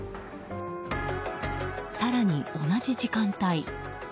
更に同じ時間帯。